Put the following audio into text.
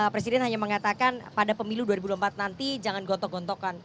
presiden hanya mengatakan pada pemilu dua ribu empat nanti jangan gotok gotokan